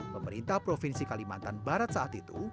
pemerintah provinsi kalimantan barat saat itu